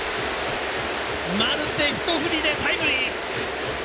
マルテ、ひと振りでタイムリー。